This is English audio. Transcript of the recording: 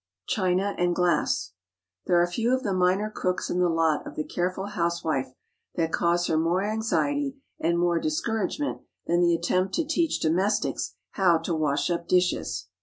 CHINA AND GLASS. There are few of the minor crooks in the lot of the careful housewife that cause her more anxiety and more discouragement than the attempt to teach domestics how to wash up dishes.